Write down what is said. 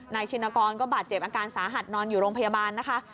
ชินกรก็บาดเจ็บอาการสาหัสนอนอยู่โรงพยาบาลนะคะ